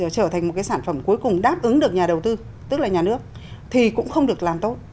trở thành một cái sản phẩm cuối cùng đáp ứng được nhà đầu tư tức là nhà nước thì cũng không được làm tốt